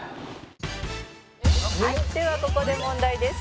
「はいではここで問題です」